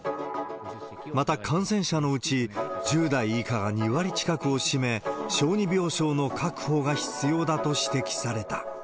また、感染者のうち、１０代以下が２割近くを占め、小児病床の確保が必要だと指摘された。